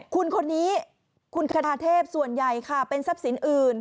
คุณคนนี้คุณคาทาเทพส่วนใหญ่ค่ะเป็นทรัพย์สินอื่น